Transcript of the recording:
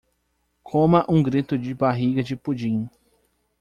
Coma um grito de barriga de pudim